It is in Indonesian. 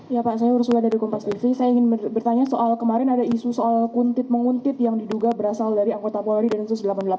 ya pak saya urus uwad dari kompas tv saya ingin bertanya soal kemarin ada isu soal kuntit menguntit yang diduga berasal dari angkota polri dan insus delapan puluh delapan